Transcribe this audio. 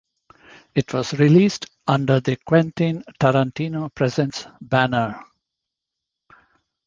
It was released under the "Quentin Tarantino Presents" banner.